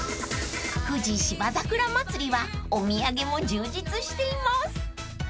［富士芝桜まつりはお土産も充実しています］